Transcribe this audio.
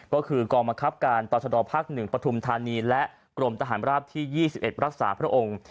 ก็คือกองบังคับการต่อชดภาค๑ปฐุมธานีและกรมทหารราบที่๒๑รักษาพระองค์